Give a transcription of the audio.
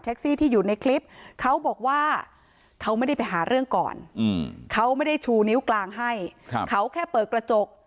จังหวัดแรกแล้ว๑๕นาทีผ่านไปมากระทุ้งคออีกสองรอบ